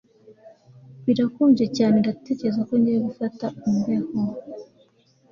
Birakonje cyane Ndatekereza ko ngiye gufata imbeho